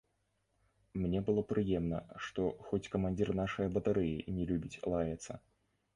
Мне было прыемна, што хоць камандзір нашае батарэі не любіць лаяцца.